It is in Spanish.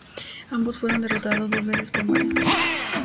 Ambos fueron derrotados dos veces por Mario.